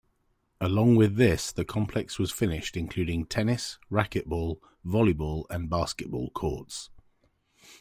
Along with this, the complex was finished including tennis, racquetball, volleyball, and basketball courts.